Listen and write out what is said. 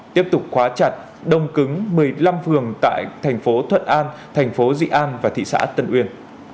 tiếp tục khóa chặt đông cứng một mươi năm phường tại thành phố thuận an thành phố dị an và thị xã tân uyên